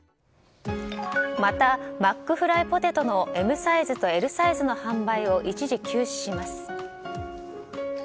また、マックフライポテトのＭサイズとＬサイズの販売を一時休止します。